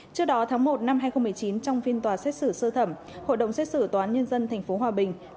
trước đó tháng một năm hai nghìn một mươi chín trong phiên tòa xét xử sơ thẩm hội đồng xét xử tòa án nhân dân tp hòa bình